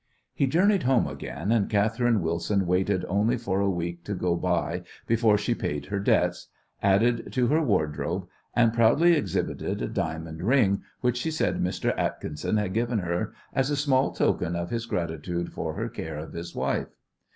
He journeyed home again, and Catherine Wilson waited only for a week to go by before she paid her debts, added to her wardrobe, and proudly exhibited a diamond ring which she said Mr. Atkinson had given her as a small token of his gratitude for her care of his wife.